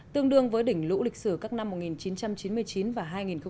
tương đương với đỉnh lũ lịch sử các năm một nghìn chín trăm chín mươi chín và hai nghìn một mươi